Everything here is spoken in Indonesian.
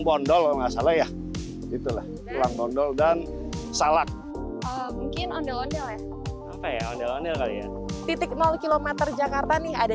bondol nggak salah ya itulah lang bondol dan salak mungkin ondel ondel ya titik km jakarta nih ada